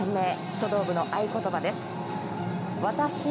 書道部の合い言葉です。